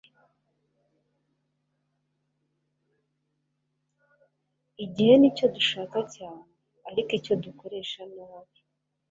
igihe nicyo dushaka cyane, ariko icyo dukoresha nabi